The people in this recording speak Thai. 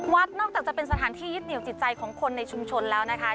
นอกจากจะเป็นสถานที่ยึดเหนียวจิตใจของคนในชุมชนแล้วนะคะ